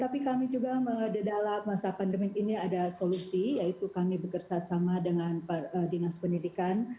tapi kami juga dalam masa pandemi ini ada solusi yaitu kami bekerjasama dengan dinas pendidikan